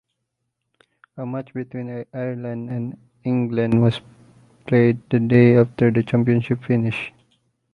A match between Ireland and England was played the day after the championship finished.